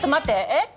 えっ？